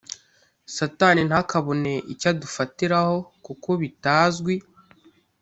satani ntakabone icyo adufatiraho kuko bitazwi